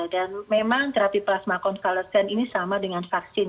dan memang terapi plasma konvalesen ini sama dengan vaksin